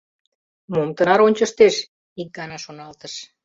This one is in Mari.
«Мом тынар ончыштеш? — ик гана шоналтыш.